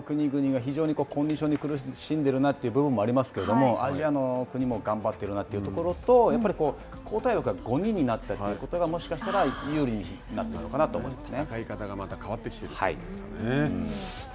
ヨーロッパの国々が非常にコンディションに苦しんでいるなという部分もありますけれども、アジアの国も頑張っているなというところと、やっぱり交代枠が５人になったということが、もしかしたら、有利になっているのかなと思いますね。